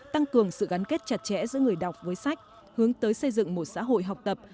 tăng cường sự gắn kết chặt chẽ giữa người đọc với sách hướng tới xây dựng một xã hội học tập